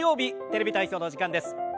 「テレビ体操」のお時間です。